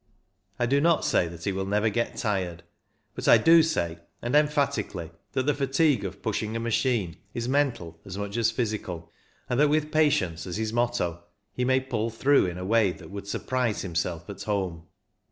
I do not say that he will never get tired, but I do say, and emphatically, that the fatigue of pushing a machine is mental as much as physical, and that with patience as his motto he may pull through in a way that would surprise himself at home.